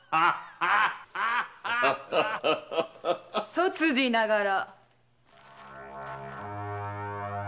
・率爾ながら。